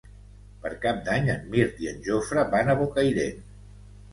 Per Cap d'Any en Mirt i en Jofre van a Bocairent.